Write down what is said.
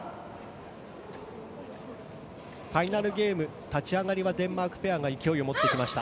ファイナルゲーム立ち上がりはデンマークペアが勢いを持ってきました。